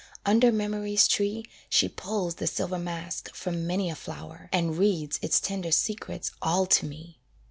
Under memory's tree She pulls the silver mask from many a flower, And reads its tender secrets all to me.